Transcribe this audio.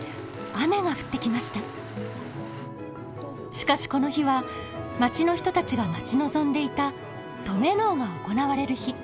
しかしこの日は町の人たちが待ち望んでいた登米能が行われる日。